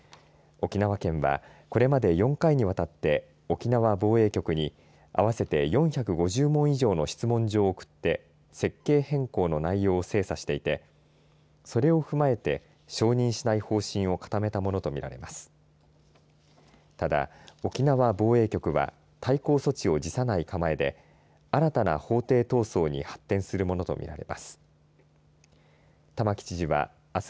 沖縄県はこれまで４回にわたって沖縄防衛局に合わせて４５０問以上の質問状を送って設計変更の内容を精査していてそれを踏まえて承認しない方針を固めたものとみられます。